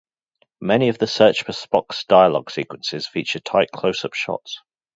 Many of "The Search for Spock"s dialogue sequences feature tight close-up shots.